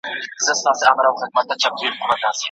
مراقبه کول مو د غوسې مخه نیسي.